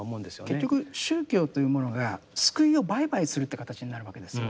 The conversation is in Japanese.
結局宗教というものが救いを売買するって形になるわけですよね。